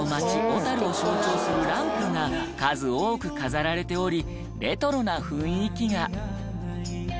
小樽を象徴するランプが数多く飾られておりレトロな雰囲気が。